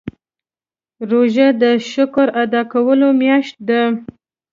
روژه د شکر ادا کولو میاشت ده.